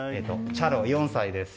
チャロ、４歳です。